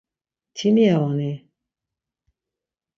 Timiya oni.